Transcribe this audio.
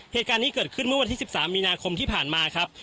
เหตุการณ์นี้เกิดขึ้นเมื่อวันที่๑๓มีนาคมที่ผ่านมาครับ